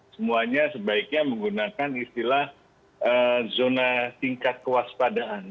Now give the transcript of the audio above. semuanya sebaiknya menggunakan istilah zona tingkat kewaspadaan